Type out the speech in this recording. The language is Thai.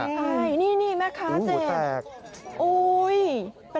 ใช่นี่แม่ค้าเจ็ดโอ๊ยหัวแตก